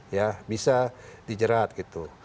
ya bisa dijerat gitu